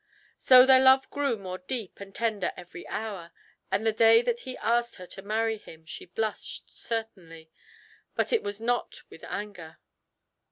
So their love grew more deep and tender every hour, and the day that he asked her to marry him she blushed certainly, but it was not with anger.